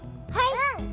はい！